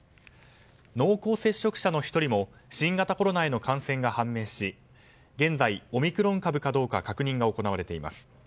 濃厚接触者の１人も新型コロナへの感染が判明し現在、オミクロン株かどうか確認が行われています。